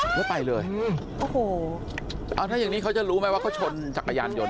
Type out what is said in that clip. หนูไปเลยอ้อหูเอาไงมึงเขาจะรู้ไหมว่าเค้าชนจักรยานยนต์